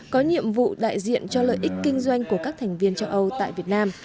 có nhiệm vụ đại diện cho lợi ích kinh doanh của các thành viên châu âu tại việt nam